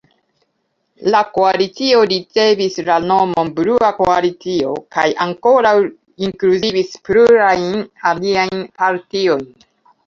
La koalicio ricevis la nomon "Blua Koalicio" kaj ankoraŭ inkluzivis plurajn aliajn partiojn.